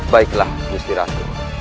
baiklah gusti ratu